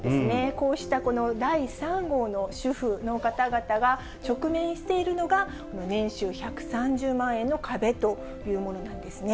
こうした第３号の主婦の方々が直面しているのが、この年収１３０万円の壁というものなんですね。